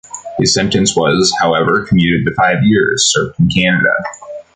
His sentence was, however commuted to five years, served in Canada.